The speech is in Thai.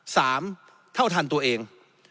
สามเท่าทันตัวเอง